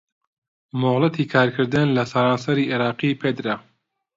مۆلەتی کارکردن لە سەرانسەری عێراقی پێدرا